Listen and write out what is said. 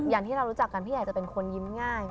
อย่างที่เรารู้จักกันพี่ใหญ่จะเป็นคนยิ้มง่าย